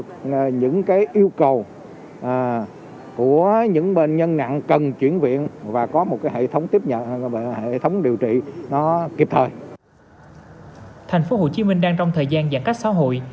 thành phố hồ chí minh đang trong thời gian giãn cách xã hội